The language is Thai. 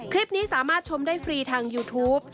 คลิปนี้สามารถชมได้ฟรีทางยูทูป